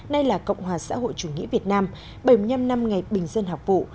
nay là cộng hòa xã hội chủ nghĩa việt nam bảy mươi năm năm ngày bình dân học vụ